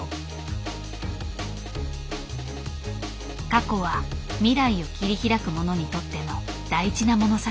過去は未来を切り開く者にとっての大事な物差し。